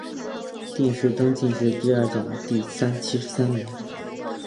殿试登进士第二甲第七十三名。